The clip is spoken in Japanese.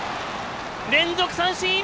連続三振！